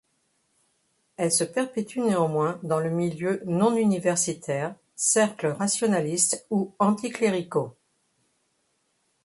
Elle se perpétue néanmoins dans le milieu non universitaire, cercles rationalistes ou anticléricaux.